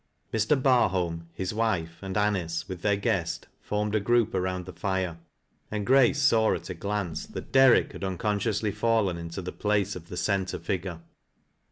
Mr. Barf.olm, his wife and Anice, with their guest, formed a group around the fire, and Grace saw at a glance that Derrick had unconsciously fallen into the place of the centre figure.